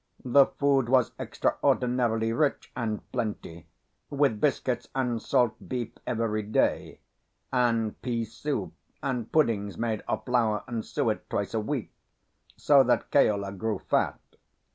The food was extraordinarily rich and plenty, with biscuits and salt beef every day, and pea soup and puddings made of flour and suet twice a week, so that Keola grew fat.